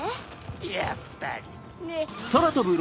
やっぱりね。